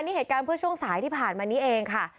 นี่เหตุการณ์เมื่อช่วงสายที่ผ่านมานี้เองค่ะ